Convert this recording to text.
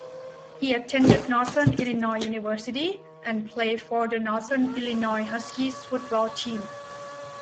He attended Northern Illinois University, and played for the Northern Illinois Huskies football team.